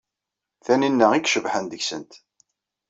Tanina i icebḥen deg-sent.